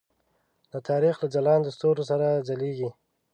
د تاریخ له ځلاندو ستورو سره ځلیږي.